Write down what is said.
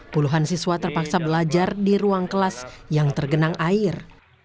puluhan siswa terpaksa belajar di ruang kelas yang tergenang air